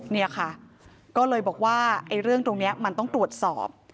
เนี่ยค่ะก็เลยบอกว่าไอ้เรื่องตรงนี้มันต้องตรวจสอบ